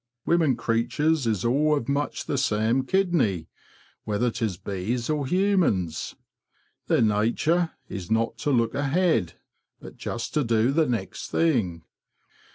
Wimmin creeturs is all of much the same kidney, whether tis bees or humans. Their natur' is not to look ahead, but just to do the next thing.